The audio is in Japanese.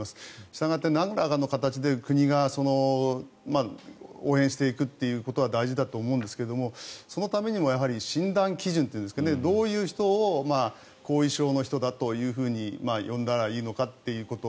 したがって、なんらかの形で国が応援していくということは大事だと思うんですがそのためにも、やはり診断基準というんですかねどういう人を後遺症の人だというふうに呼んだらいいのかということ。